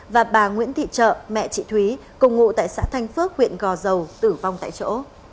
và bà nguyễn thị trợ mẹ chị thúy cùng ngụ tại xã thanh phước huyện gò dầu tử vong tại chỗ